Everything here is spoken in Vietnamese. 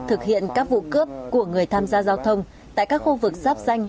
thực hiện các vụ cướp của người tham gia giao thông tại các khu vực giáp danh